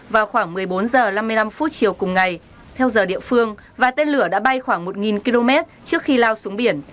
vào khoảng một mươi bốn h năm mươi năm chiều cùng ngày theo giờ địa phương và tên lửa đã bay khoảng một km trước khi lao xuống biển